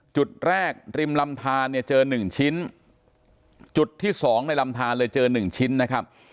จุดแรกริมลำทานเนี่ยเจอ๑ชิ้นจุดที่สองในลำทานเลยเจอ๑ชิ้นนะครับ